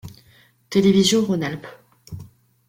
Télévision Rhône-Alpes.